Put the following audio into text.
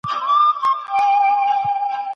یوه بڼه یې کډه په شا ژوند دی.